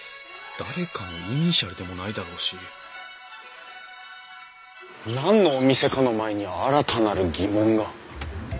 誰かのイニシャルでもないだろうし何のお店かの前に新たなる疑問が。